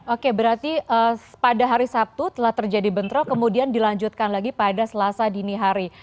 oke berarti pada hari sabtu telah terjadi bentrok kemudian dilanjutkan lagi pada selasa dini hari